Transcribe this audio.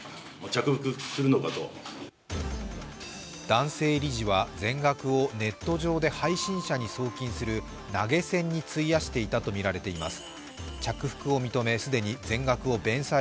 男性理事は全額をネット上で配信者に送金する投げ銭に費やしていたとみられています。